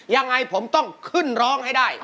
ยังไงผมต้องขึ้นร้องให้ได้